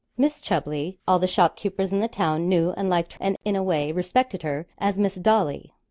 Miss Chubley, all the shopkeepers in the town knew and liked, and, in a way, respected her, as 'Miss Dolly.'